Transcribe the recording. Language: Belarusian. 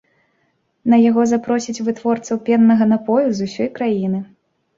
На яго запросяць вытворцаў пеннага напою з усёй краіны.